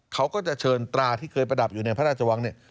เขาก็จะเชิญตราที่เคยประดับอยู่ในพระราชวังเนี่ย